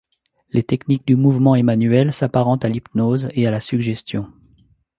Les techniques du mouvement Emmanuel s'apparentent à l'hypnose et à la suggestion.